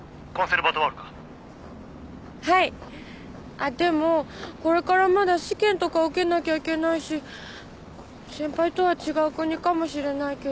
あっでもこれからまだ試験とか受けなきゃいけないし先輩とは違う国かもしれないけど。